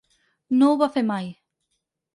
No ho va fer mai.